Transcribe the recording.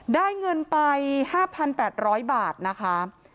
ได้เงินไป๕๘๐๐บาทนะคะ